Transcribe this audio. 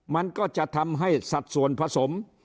มันก็จะทำให้สัดส่วนผสม